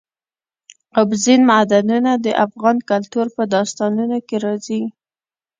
اوبزین معدنونه د افغان کلتور په داستانونو کې راځي.